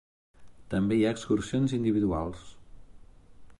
També hi ha excursions individuals.